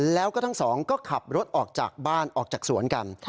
แล้วก็ทั้งสองก็ขับรถออกจากบ้านออกจากสวนกัน